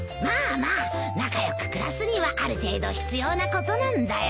まあまあ仲良く暮らすにはある程度必要なことなんだよ。